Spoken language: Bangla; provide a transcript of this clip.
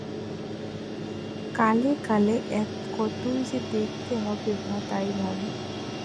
কালে কালে কতই যে দেখতে হবে তাই ভাবি।